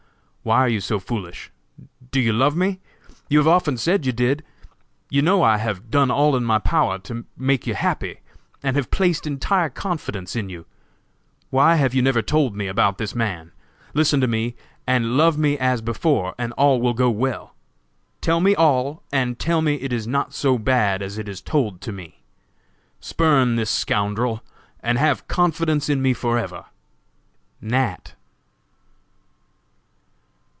Why are you so foolish? Do you love me? You have often said you did. You know I have done all in my power to make you happy, and have placed entire confidence in you. Why have you never told me about this man? Listen to me, and love me as before, and all will go well. Tell me all, 'and tell me it is not so bad as it is told to me!' Spurn this scoundrel, and have confidence in me forever!!!" NAT.